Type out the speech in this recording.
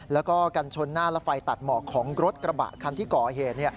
แล้วก็กันชนหน้าและไฟตัดหมอกของรถกระบะคันที่ก่อเหตุ